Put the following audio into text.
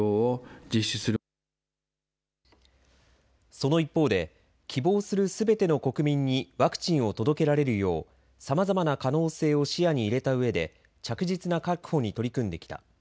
その一方で希望するすべての国民にワクチンを届けられるようさまざまな可能性を視野に入れたうえで着実な確保に取り組んできた。